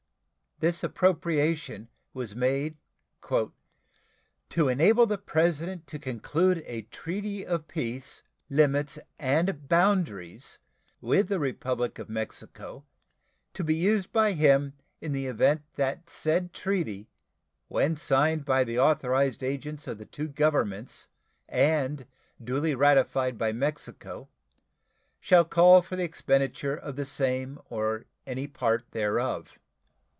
This appropriation was made "to enable the President to conclude a treaty of peace, limits, and boundaries with the Republic of Mexico, to be used by him in the event that said treaty, when signed by the authorized agents of the two Governments and duly ratified by Mexico, shall call for the expenditure of the same or any part thereof."